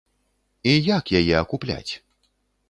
І як яе акупляць?